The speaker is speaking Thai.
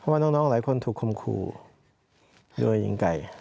เพราะว่าน้องหลายคนถูกคมคู่ด้วยหญิงไก่